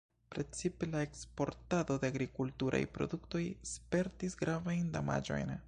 Precipe la eksportado de agrikulturaj produktoj spertis gravajn damaĝojn.